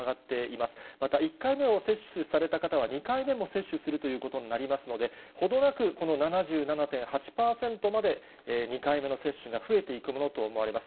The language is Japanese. また１回目を接種された方は、２回目も接種するということになりますので、ほどなく、この７７．８％まで２回目の接種が増えていくものと思われます。